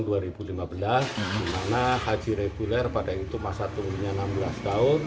dimana haji reguler pada itu masa tunggu nya enam belas tahun